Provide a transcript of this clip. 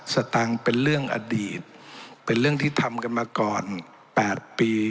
สตางค์เป็นเรื่องอดีตเป็นเรื่องที่ทำกันมาก่อน๘ปี